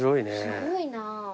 すごいなあ。